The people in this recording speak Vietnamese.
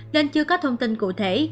nên chưa có thông tin cụ thể